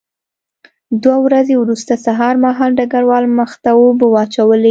دوه ورځې وروسته سهار مهال ډګروال مخ ته اوبه واچولې